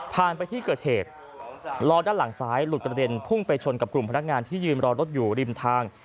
ไปที่เกิดเหตุล้อด้านหลังซ้ายหลุดกระเด็นพุ่งไปชนกับกลุ่มพนักงานที่ยืนรอรถอยู่ริมทาง